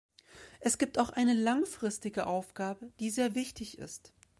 Es gibt auch eine langfristige Aufgabe, die sehr wichtig ist.